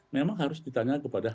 memang harus ditanya kepada